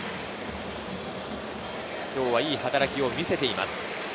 今日はいい働きを見せています。